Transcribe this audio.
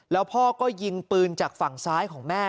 แล้วพ่อก็ยิงปืนจากฝั่งซ้ายของแม่